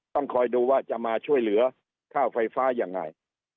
ต้องคอยดูว่าจะมาช่วยเหลือค่าไฟฟ้ายังไง